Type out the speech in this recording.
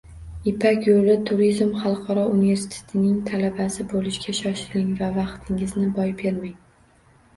Ipak yo‘li turizm xalqaro universitetining talabasi bo‘lishga shoshiling va vaqtingizni boy bermang!